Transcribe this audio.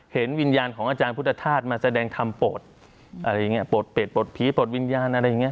เห็นวิญญาณของอาจารย์พุทธธาตุมาแสดงธรรมโปรดอะไรอย่างนี้โปรดเป็ดปลดผีปลดวิญญาณอะไรอย่างนี้